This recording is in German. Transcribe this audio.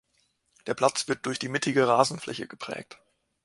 Der Platz wird durch die mittige Rasenfläche geprägt.